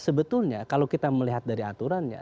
sebetulnya kalau kita melihat dari aturannya